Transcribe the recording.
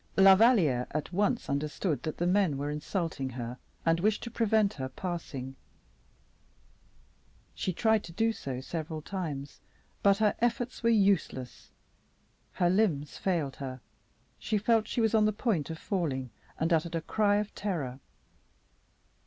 La Valliere at once understood that the men were insulting her, and wished to prevent her passing; she tried to do so several times, but her efforts were useless. Her limbs failed her; she felt she was on the point of falling, and uttered a cry of terror.